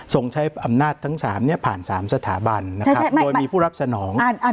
ทรงใช้อำนาจทั้ง๓เนี่ยผ่าน๓สถาบันโดยมีผู้รับสนอง